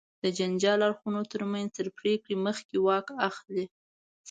د جنجالي اړخونو تر منځ تر پرېکړې مخکې واک اخلي.